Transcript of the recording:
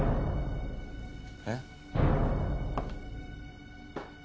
えっ？